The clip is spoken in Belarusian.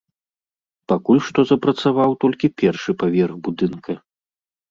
Пакуль што запрацаваў толькі першы паверх будынка.